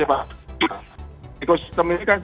wahi tahap tahapang ya